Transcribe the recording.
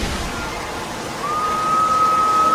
• چي غټ وايي، کوچني خيژي.